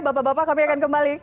bapak bapak kami akan kembali